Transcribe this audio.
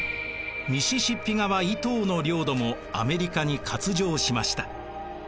ミシシッピ川以東の領土もアメリカに割譲しました。